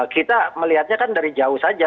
kita melihatnya kan dari jauh saja